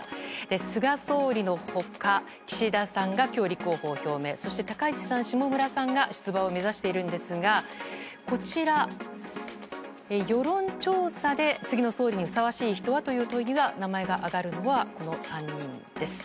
菅総理の他岸田さんが今日、立候補を表明そして高市さん、下村さんが出馬を目指しているんですが世論調査で次の総理にふさわしい人はという問いには名前が挙がるのは、この３人です。